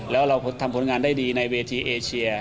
แล้วเราทำผลงานได้ดีในเวทีเอเชีย